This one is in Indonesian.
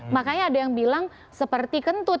makanya ada yang bilang seperti kentut